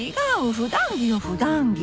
普段着よ普段着。